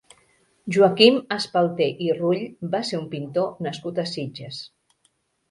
Joaquim Espalter i Rull va ser un pintor nascut a Sitges.